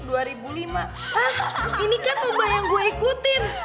hah ini kan lomba yang gue ikutin